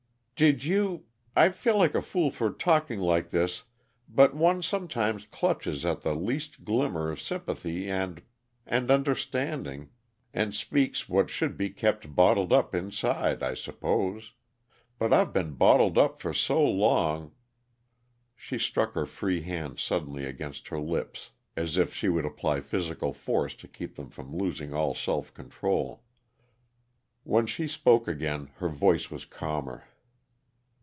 "Did you I feel like a fool for talking like this, but one sometimes clutches at the least glimmer of sympathy and and understanding, and speaks what should be kept bottled up inside, I suppose. But I've been bottled up for so long " She struck her free hand suddenly against her lips, as if she would apply physical force to keep them from losing all self control. When she spoke again, her voice was calmer.